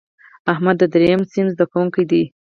احمد د دریم ټولګې زده کوونکی دی.